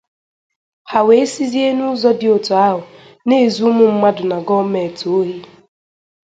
ha wee sizie n'ụzọ dị otu ahụ na-ezu ụmụ mmadụ na gọọmenti ohi.